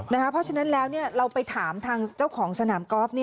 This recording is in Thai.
เพราะฉะนั้นแล้วเราไปถามทางเจ้าของสนามกอล์ฟ